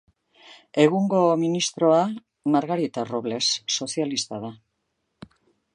Egungo ministroa Margarita Robles sozialista da.